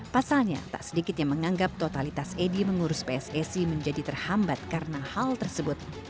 pasalnya tak sedikit yang menganggap totalitas edi mengurus pssi menjadi terhambat karena hal tersebut